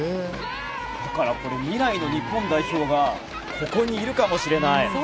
だからこれは未来の日本代表がここにいるかもしれない。